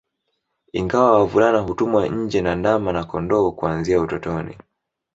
Ingawa wavulana hutumwa nje na ndama na kondoo kuanzia utotoni